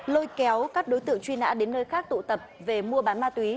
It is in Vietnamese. lôi kéo các đối tượng truy nã đến nơi khác tụ tập về mua bán ma túy